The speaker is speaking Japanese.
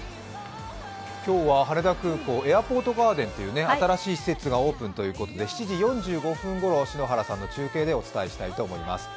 今日は羽田空港、エアポートガーデンという新しい施設がオープンということで７時４５分ごろ、篠原さんの中継でお伝えしたいと思います。